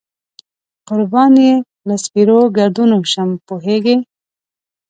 قربان یې له سپېرو ګردونو شم، پوهېږې.